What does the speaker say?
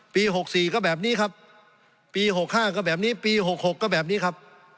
ปีหกสี่ก็แบบนี้ครับปีหกห้าก็แบบนี้ปีหกหกก็แบบนี้ครับ